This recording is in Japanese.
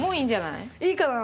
いいかな？